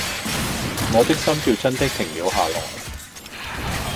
我的心跳真的停了下來